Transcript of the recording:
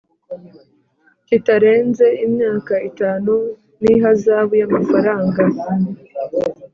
kitarenze imyaka itanu n ihazabu y amafaranga